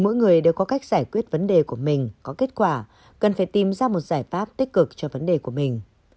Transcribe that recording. mỗi người đều có cách giải quyết vấn đề của mình có kết quả cần phải tìm ra một giải pháp tích cực cho vấn đề của mình